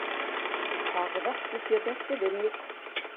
Һағыҙаҡ күп ерҙә себен юҡ.